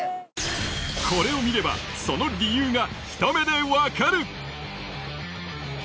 これを見ればその理由がひと目でわかる。